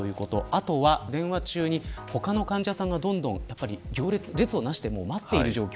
あとは、電話中に他の患者さんがどんどん列をなして待っている状況。